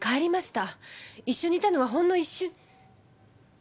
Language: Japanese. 一緒にいたのはほんの一瞬。